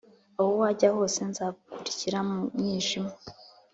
aho wajya hose nzagukurikira mu mwijima